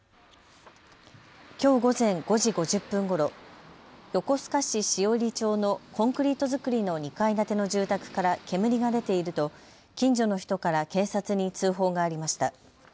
きょう午前５時５０分ごろ、横須賀市汐入町のコンクリート造りの２階建ての住宅から煙が出ていると近所の人から警察に通報がありました。